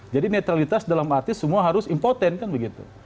jadi neutralitas dalam artis semua harus impoten kan begitu